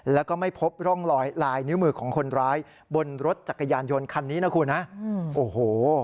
แล้วก็ไม่พบร่องรอยลายนิ้วมือของคนร้ายบนรถจักรยานยนต์คันนี้นะคุณฮะโอ้โห